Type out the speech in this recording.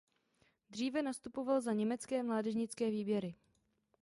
Dříve nastupoval za německé mládežnické výběry.